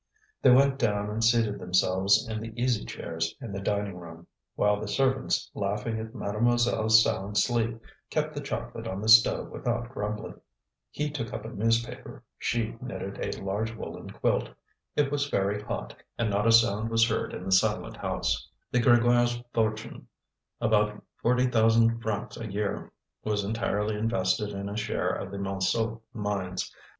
They went down and seated themselves in the easy chairs in the dining room; while the servants, laughing at mademoiselle's sound sleep, kept the chocolate on the stove without grumbling. He took up a newspaper; she knitted at a large woollen quilt. It was very hot, and not a sound was heard in the silent house. The Grégoires' fortune, about forty thousand francs a year, was entirely invested in a share of the Montsou mines.